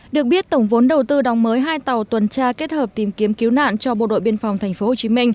được biết tổng vốn đầu tư đóng mới hai tàu tuần tra kết hợp tìm kiếm cứu nạn cho bộ đội biên phòng tp hcm